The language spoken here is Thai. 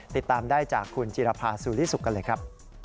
ติดตามได้จากคุณจิรภาสุริสุกกันเลยครับ